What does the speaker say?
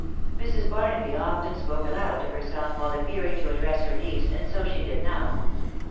Mrs* Barnaby often spot* afoud.to heraelf while appearing to address* he* niece, and. s«t she: did now.